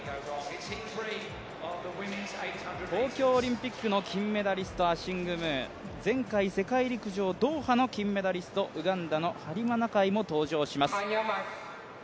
東京オリンピックの金メダリスト、アシング・ムー、前回、世界陸上ドーハの金メダリストウガンダのハリマ・ナカイも登場します。